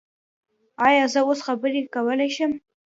ایا زه اوس خبرې کولی شم؟